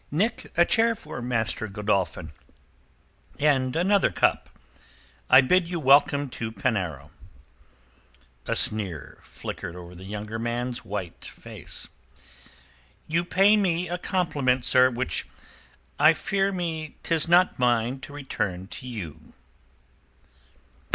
Nick, a chair for Master Godolphin and another cup. I bid you welcome to Penarrow." A sneer flickered over the younger man's white face. "You pay me a compliment, sir, which I fear me 'tis not mine to return to you."